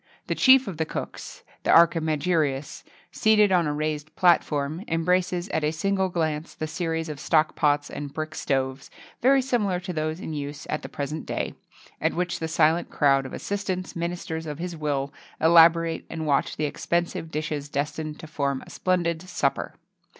The chief of the cooks, the Archimagirus,[XXII 49] seated on a raised platform, embraces at a single glance the series of stock pots and brick stoves,[XXII 50] very similar to those in use at the present day, at which the silent crowd of assistants,[XXII 51] ministers of his will, elaborate and watch the expensive dishes destined to form a splendid supper.